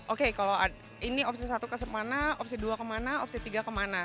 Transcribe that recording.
oke kalau ini opsi satu ke mana opsi dua ke mana opsi tiga ke mana